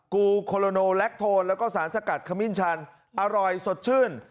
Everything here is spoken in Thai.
กูโคโลโนแลคโทนแล้วก็สารสกัดขมิ้นชันอร่อยสดชื่น